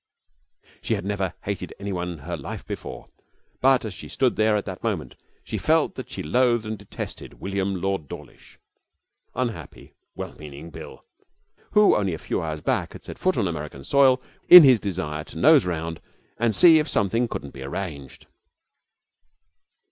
She had never hated any one in her life before, but as she stood there at that moment she felt that she loathed and detested William Lord Dawlish unhappy, well meaning Bill, who only a few hours back had set foot on American soil in his desire to nose round and see if something couldn't be arranged.